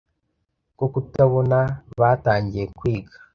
bwo kutabona batangiye kwig